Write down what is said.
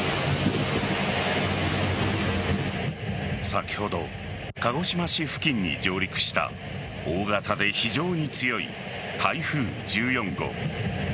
先ほど鹿児島市付近に上陸した大型で非常に強い台風１４号。